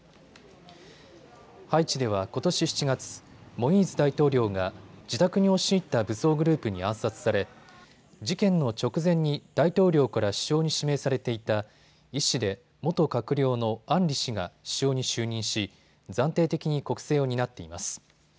ハイチではことし７月、モイーズ大統領が自宅に押し入った武装グループに暗殺され事件の直前に大統領から首相に指名されていた医師で元閣僚のアンリ氏が首相に就任し暫定的に国政を担っています。